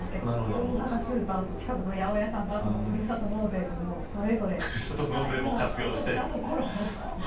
大型スーパーと近くの八百屋さんとふるさと納税とそれぞれいろいろなところを。